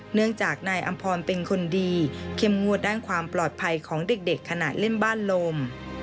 เนื่องจากนายอำพรเป็นคนดีเข้มงวดด้านความปลอดภัยของเด็กขณะเล่นบ้านลม